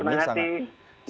dengan tenang hati